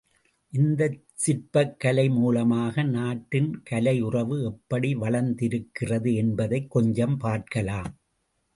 இந்தச் சிற்பக் கலை மூலமாக நாட்டின் கலையுறவு எப்படி வளர்ந்திருக்கிறது என்பதைக் கொஞ்சம் பார்க்கலாம்.